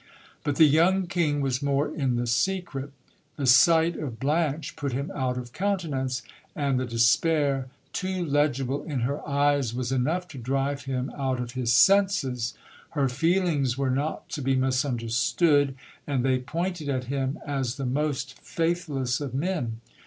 But the young king was more in the secret The sight of Blanche put him out of countenance : and the de spair, too legible in her eyes, was enough to drive him out of his senses. Her feelings were not to be misunderstood ; and they pointed at him as the most faithless of men.